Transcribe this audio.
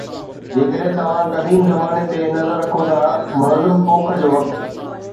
جيڪڏهن توهان قديم زماني تي نظر رکون ٿا، منظم پوک جو وقت